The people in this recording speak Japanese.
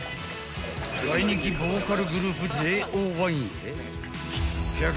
大人気ボーカルグループＪＯ１１００